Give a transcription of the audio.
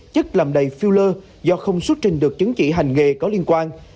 chất làm đầy filler do không xuất trình được chứng chỉ hành nghề có liên quan